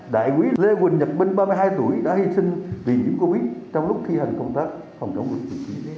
đại quý lê quỳnh nhật minh ba mươi hai tuổi đã hy sinh vì nhiễm covid trong lúc thi hành công tác phòng chống dịch